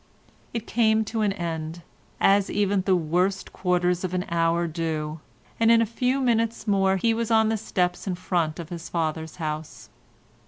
It came to an end, as even the worst quarters of an hour do, and in a few minutes more he was on the steps in front of his father's house.